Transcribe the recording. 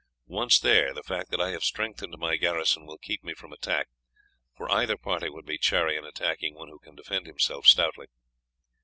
Once there, the fact that I have strengthened my garrison will keep me from attack, for either party would be chary in attacking one who can defend himself stoutly.